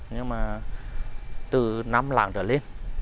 nhưng mà từ năm làng trở lên